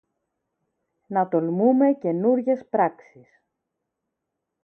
να τολμούμε καινούργιες πράξεις